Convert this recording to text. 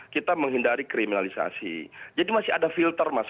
kita menghindari kriminalisasi